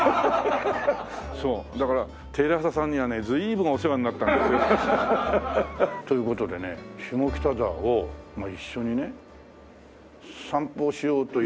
そうだからテレ朝さんにはね随分お世話になったんですよ。という事でね下北沢を一緒にね散歩しようという話。